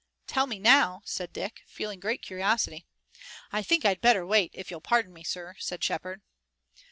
"Tell me now," said Dick, feeling great curiosity. "I think I'd better wait, if you'll pardon me, sir," said Shepard.